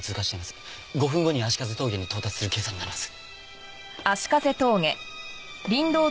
５分後に葦風峠に到達する計算になります。